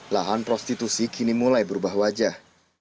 lahan prostitusi kini mulai berubah wajah